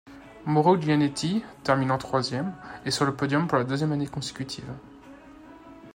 Mauro Gianetti, terminant troisième, est sur le podium pour la deuxième année consécutive.